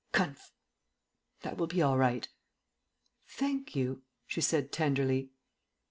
"Conf That will be all right." "Thank you," she said tenderly.